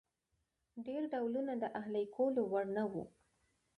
ډېر ډولونه د اهلي کولو وړ نه وو.